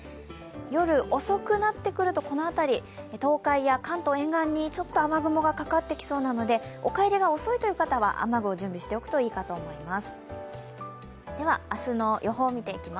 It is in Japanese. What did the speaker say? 夜遅くなってくるとこの辺り東海や関東沿岸にちょっと雨雲がかかってきそうなので、お帰りが遅いという方は雨具を準備しておくといいかと思います。